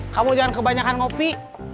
kamu jangan kebanyakan ngopi